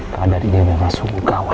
kadar ini memang sungguh gawa